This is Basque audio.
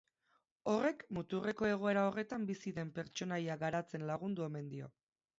Horrek muturreko egoera horretan bizi den pertsonaia garatzen lagundu omen dio.